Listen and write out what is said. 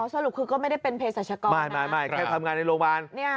สรุปคือก็ไม่ได้เป็นเพศรัชกรไม่แค่ทำงานในโรงพยาบาล